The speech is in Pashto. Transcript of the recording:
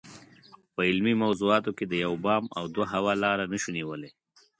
په علمي موضوعاتو کې د یو بام او دوه هوا لاره نشو نیولای.